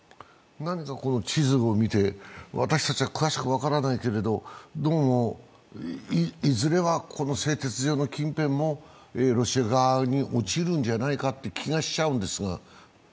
何か地図を見て私たちは詳しく分からないけれども、どうもいずれはこの製鉄所の近辺もロシア側に落ちるんじゃないかという気がしちゃうんですが。